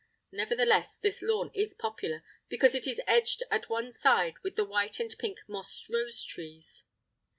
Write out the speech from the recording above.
Nevertheless, this lawn is popular, because it is edged at one side with white and pink moss rose trees.